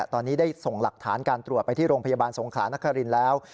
ตอนนี้ได้ส่งหลักฐานการตรวจไปที่โรงพยาบาลสงขลานครินทร์แล้ว